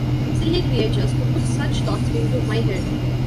Silly creatures, to put such thoughts into my head!